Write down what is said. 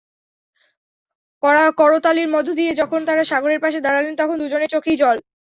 করতালির মধ্য দিয়ে যখন তাঁরা সাগরের পাশে দাঁড়ালেন, তখন দুজনের চোখেই জল।